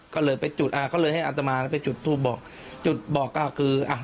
ก็เลยไปจุดอ่าก็เลยให้อัตมาแล้วไปจุดทูปบอกจุดบอกก็คืออ่ะ